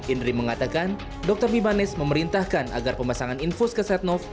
indri mengatakan dr bimanes memerintahkan agar pemasangan infus ke setnov